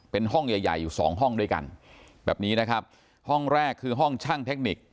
เป็นห้องใหญ่ใหญ่อยู่สองห้องด้วยกันแบบนี้นะครับห้องแรกคือห้องช่างเทคนิค